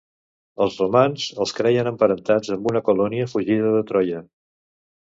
Els romans els creien emparentats amb una colònia fugida de Troia.